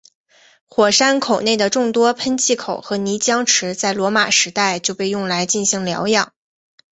火山口内的众多喷气口和泥浆池在罗马时代就被用来进行疗养。